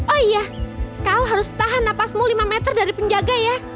oh iya kau harus tahan napasmu lima meter dari penjaga ya